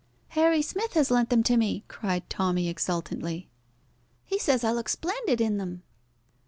"Harry Smith has lent them to me," cried Tommy exultantly. "He says I look splendid in them."